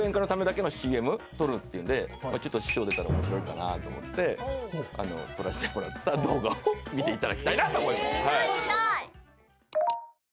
撮るっていうんでちょっと師匠出たら面白いかなと思って撮らしてもらった動画を見ていただきたいなと思います。